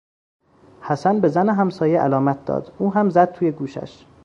حسن به زن همسایه علامت داد او هم زد توی گوشش